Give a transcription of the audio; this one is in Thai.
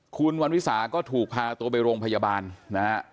คุณวริษาก็ถูกพาไปโรงพยาบาลนะฮะ